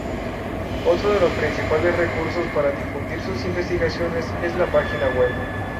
Otro de los principales recursos para difundir sus investigaciones es la página web.